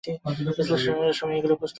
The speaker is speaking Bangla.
বিশ্লেষণের পর এগুলি পুস্তকে লিখিত হইয়াছে।